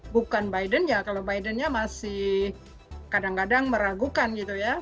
bukan biden ya kalau bidennya masih kadang kadang meragukan gitu ya